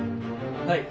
はい。